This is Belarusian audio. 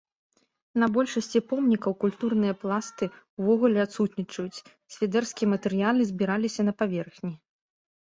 На большасці помнікаў культурныя пласты ўвогуле адсутнічаюць, свідэрскія матэрыялы збіраліся на паверхні.